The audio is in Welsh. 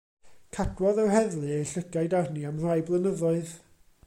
Cadwodd yr heddlu eu llygad arni am rai blynyddoedd.